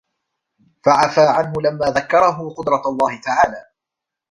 فَعَفَا عَنْهُ لَمَّا ذَكَّرَهُ قُدْرَةَ اللَّهِ تَعَالَى